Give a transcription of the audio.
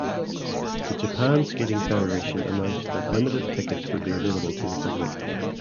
The Japan Skating Federation announced that limited tickets would be available to the public.